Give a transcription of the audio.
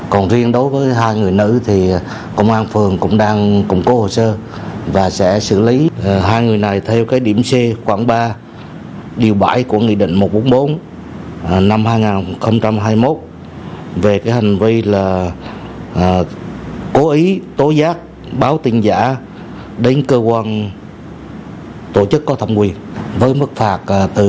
còn riêng đối với hai người nữ thì công an phường cũng đang cung cố hồ sơ và sẽ xử lý hai người này theo cái điểm c khoảng ba điều bãi của nghị định một trăm bốn mươi bốn năm hai nghìn hai mươi một về cái hành vi là cố ý tố giác báo tin giả đến cơ quan tổ chức có thẩm quyền với mức phạt từ hai tới ba triệu đồng